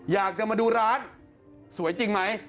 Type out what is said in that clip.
อยากจะมาดูร้านสวยจริงไหม